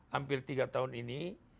hampir tiga tahun ini